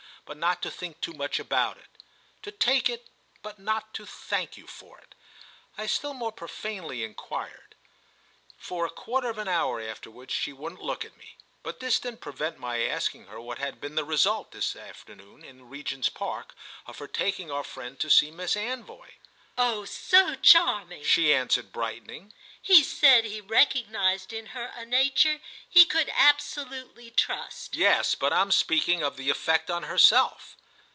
but not to think too much about it. "To take it, but not to thank you for it?" I still more profanely enquired. For a quarter of an hour afterwards she wouldn't look at me, but this didn't prevent my asking her what had been the result, that afternoon—in the Regent's Park, of her taking our friend to see Miss Anvoy. "Oh so charming!" she answered, brightening. "He said he recognised in her a nature he could absolutely trust." "Yes, but I'm speaking of the effect on herself."